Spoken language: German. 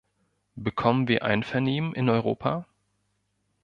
Bekommen wir Einvernehmen in Europa?